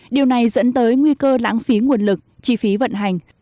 điều này dẫn tới nguy cơ lãng phí nguồn lực chi phí vận hành